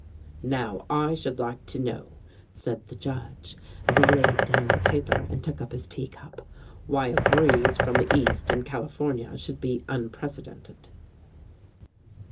"Now, I should like to know," said the Judge, as he laid down the paper and took up his tea cup, "why a breeze from the east in California should be unprecedented."